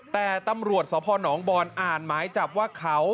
แต่ตำรวจสพนบอนอ่านหมายจับว่าเขา